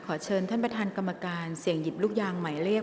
เชิญท่านประธานกรรมการเสี่ยงหยิบลูกยางหมายเลข